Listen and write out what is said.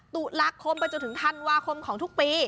ตุลาคมไปจนถึงธันวาคมของทุกปี